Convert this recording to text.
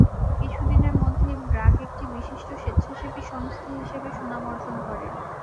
কিছুদিনের মধ্যেই ব্র্যাক একটি বিশিষ্ট স্বেচ্ছাসেবী সংস্থা হিসেবে সুনাম অর্জন করে।